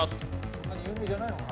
そんなに有名じゃないのかな？